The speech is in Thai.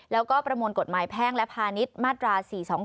แล้วก็ประมวลกฎหมายแพ่งและพาณิชย์มาตรา๔๒